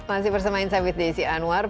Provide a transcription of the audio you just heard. terima kasih bersama insight with desi anwar